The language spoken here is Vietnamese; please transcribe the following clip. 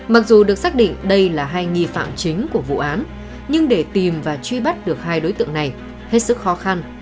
mặc dù được xác định đây là hai nghi phạm chính của vụ án nhưng để tìm và truy bắt được hai đối tượng này hết sức khó khăn